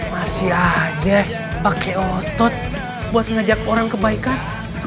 masih aja pakai otot buat ngajak orang kebaikan